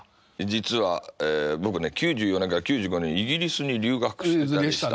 実は僕ね９４年から９５年イギリスに留学してたんですね。